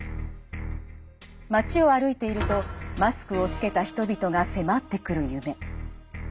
街を歩いているとマスクを着けた人々が迫ってくる夢。